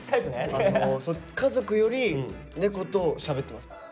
家族より猫としゃべってます。